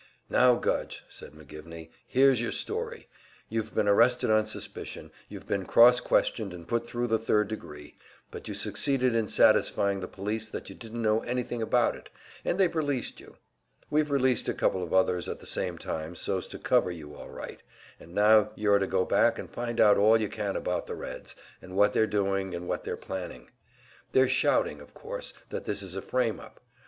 "Now, Gudge," said McGivney, "here's your story. You've been arrested on suspicion, you've been cross questioned and put thru the third degree, but you succeeded in satisfying the police that you didn't know anything about it, and they've released you. We've released a couple of others at the same time, so's to cover you all right; and now you're to go back and find out all you can about the Reds, and what they're doing, and what they're planning. They're shouting, of course, that this is a `frame up.